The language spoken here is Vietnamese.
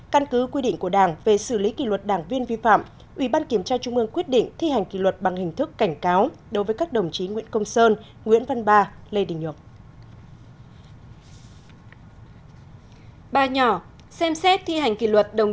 căn cứ quy định của đảng về xử lý kỷ luật đảng viên vi phạm ủy ban kiểm tra trung ương quyết định thi hành kỷ luật bằng hình thức cảnh cáo đối với các đồng chí nguyễn công sơn nguyễn văn ba lê đình nhược